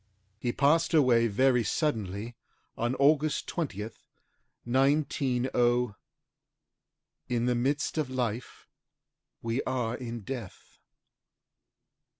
HE PASSED AWAY VERY SUDDENLY ON AUGUST 20TH, 190 "In the midst of life we are in death."